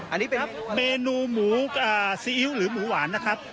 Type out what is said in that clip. อันนี้เป็นครับเมนูหมูซีอิ๊วหรือหมูหวานนะครับ